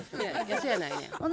そやないねん。